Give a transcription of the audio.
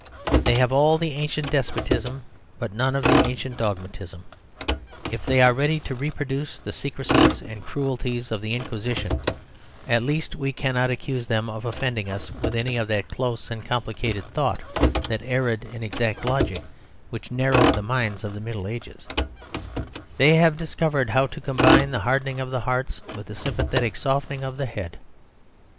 They have all the ancient despotism, but none of the ancient dogmatism. If they are ready to reproduce the secrecies and cruelties of the Inquisition, at least we cannot accuse them of offending us with any of that close and complicated thought, that arid and exact logic which narrowed the minds of the Middle Ages; they have discovered how to combine the hardening of the heart with a sympathetic softening of the head.